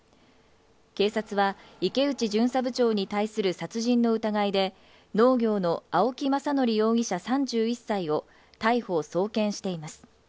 警察は池内巡査部長に対する殺人の疑いで農業の青木政憲容疑者３１歳を逮捕・送検しています。